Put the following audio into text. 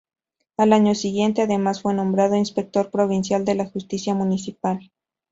Al año siguiente, además, fue nombrado inspector provincial de la justicia municipal.